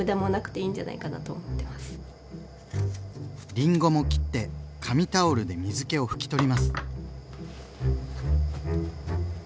りんごも切って紙タオルで水けを拭き取ります。